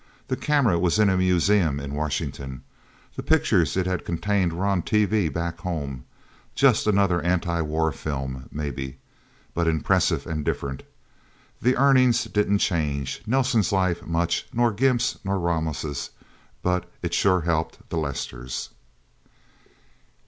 The camera was in a museum in Washington. The pictures it had contained were on TV, back home. Just another anti war film, maybe. But impressive, and different. The earnings didn't change Nelsen's life much, nor Gimp's, nor Ramos'. But it sure helped the Lesters.